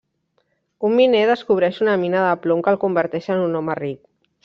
Un miner descobreix una mina de plom que el converteix en un home ric.